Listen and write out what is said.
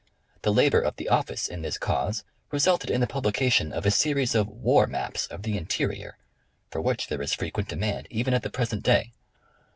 The labor of the oflice in this cause resulted in the publication of a series of " War Maps " of the interior, for which there is frequent demand even at the present day.